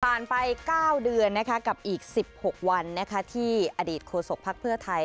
ไป๙เดือนกับอีก๑๖วันที่อดีตโฆษกภักดิ์เพื่อไทย